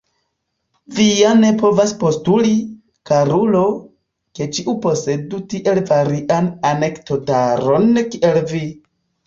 Vi ja ne povas postuli, karulo, ke ĉiu posedu tiel varian anekdotaron kiel vi!